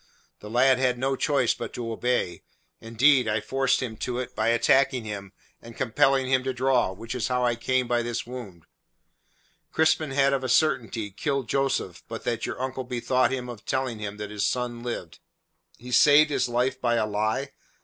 The lad had no choice but to obey; indeed, I forced him to it by attacking him and compelling him to draw, which is how I came by this wound. "Crispin had of a certainty killed Joseph but that your uncle bethought him of telling him that his son lived." "He saved his life by a lie!